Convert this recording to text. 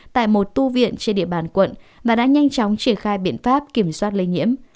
tại một tu viện trên địa bàn quận và đã nhanh chóng triển khai biện pháp kiểm soát lây nhiễm